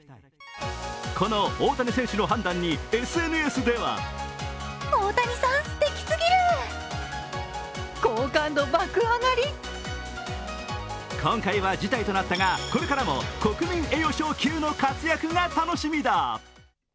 この大谷選手の判断にＳＮＳでは今回は辞退となったがこれからも国民栄誉賞級の活躍が楽しみだ。